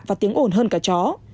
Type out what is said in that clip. và tiếng ồn hơn cả chó